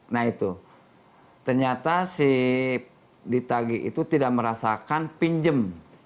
nah itu ternyata si ditagi itu tidak merasakan pinjem